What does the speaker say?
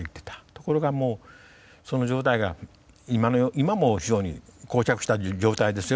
ところがもうその状態が今も非常に膠着した状態ですよ